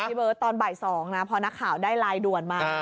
พี่เบิร์ตตอนบ่าย๒นะพอนักข่าวได้ไลน์ด่วนมา